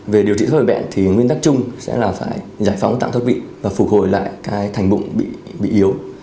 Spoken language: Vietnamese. về điều trị thoát vị bệnh thì nguyên tắc chung sẽ là phải giải phóng tạng thoát vị và phục hồi lại cái thành bụng bị yếu